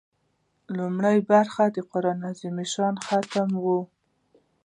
لومړۍ برخه د قران عظیم الشان ختم و.